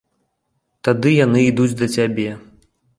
Тады яны ідуць да цябе!